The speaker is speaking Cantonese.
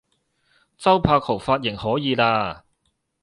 周柏豪髮型可以喇